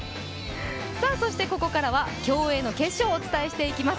そして、ここからは競泳の決勝をお伝えしていきます。